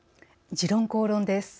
「時論公論」です。